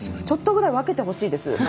ちょっとぐらい分けてほしいです。